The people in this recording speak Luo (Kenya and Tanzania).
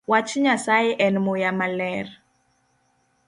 Wach Nyasaye en muya maler